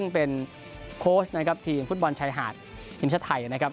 เป็นโค้ชนะครับทีมฟุตบอลชายหาดทีมชาติไทยนะครับ